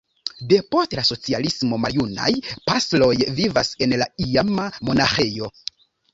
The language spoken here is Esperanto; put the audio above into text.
Depost la socialismo maljunaj pastroj vivas en la iama monaĥejo.